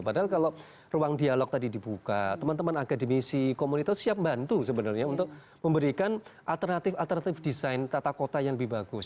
padahal kalau ruang dialog tadi dibuka teman teman akademisi komunitas siap bantu sebenarnya untuk memberikan alternatif alternatif desain tata kota yang lebih bagus